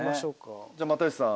じゃあ又吉さん。